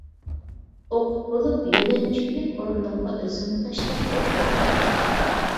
ئوقۇپ بولۇپ يۆلەنچۈكلۈك ئورۇندۇققا ئۆزۈمنى تاشلاپ ئولتۇرۇپ كەتتىم.